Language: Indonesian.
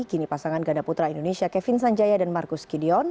kini pasangan ganda putra indonesia kevin sanjaya dan marcus gideon